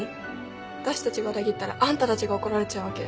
私たちが裏切ったらあんたたちが怒られちゃうわけ？